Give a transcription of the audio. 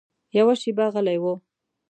یوه شېبه غلی و.